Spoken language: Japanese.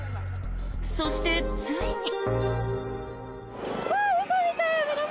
そして、ついに。